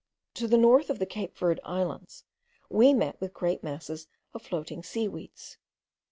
To the north of the Cape Verd Islands we met with great masses of floating seaweeds.